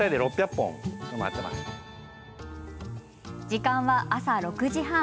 時間は朝６時半。